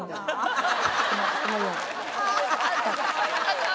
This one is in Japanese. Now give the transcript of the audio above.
ハハハハ！